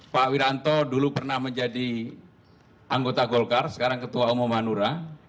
pak wiranto dulu pernah menjadi anggota golkar sekarang ketua umum hanura